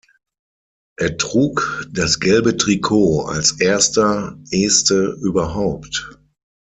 Er trug das Gelbe Trikot als erster Este überhaupt.